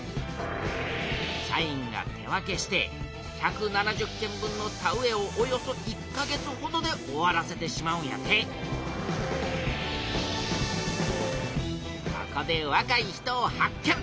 社員が手分けして１７０軒分の田植えをおよそ１か月ほどで終わらせてしまうんやてここでわかい人を発見！